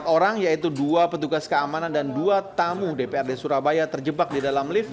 empat orang yaitu dua petugas keamanan dan dua tamu dprd surabaya terjebak di dalam lift